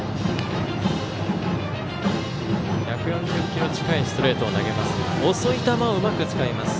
１４０キロ近いストレートを投げます。